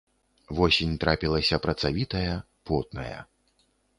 Восень трапілася працавітая, потная.